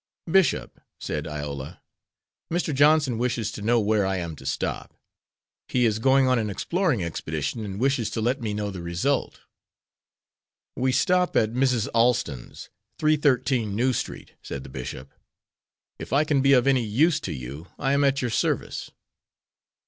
"Bishop," said Iola, "Mr. Johnson wishes to know where I am to stop. He is going on an exploring expedition, and wishes to let me know the result." "We stop at Mrs. Allston's, 313 New Street," said the bishop. "If I can be of any use to you, I am at your service."